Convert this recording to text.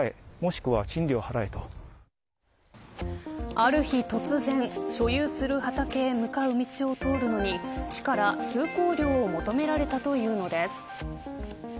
ある日突然、所有する畑へ向かう道を通るのに市から通行料を求められたというのです。